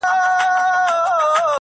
لکه نغمه لکه سيتار خبري ډيري ښې دي,